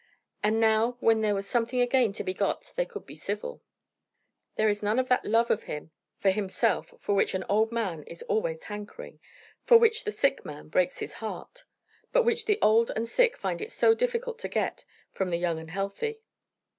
And now when there was something again to be got they could be civil. There was none of that love of him for himself for which an old man is always hankering, for which the sick man breaks his heart, but which the old and sick find it so difficult to get from the young and healthy.